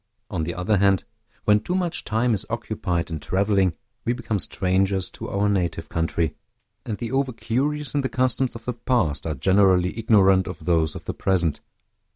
On the other hand, when too much time is occupied in traveling, we become strangers to our native country; and the over curious in the customs of the past are generally ignorant of those of the present.